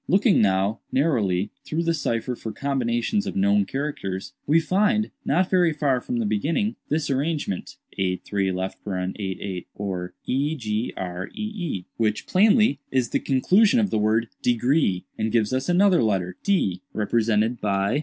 "Looking now, narrowly, through the cipher for combinations of known characters, we find, not very far from the beginning, this arrangement, 83(88, or egree, which, plainly, is the conclusion of the word 'degree,' and gives us another letter, d, represented by †.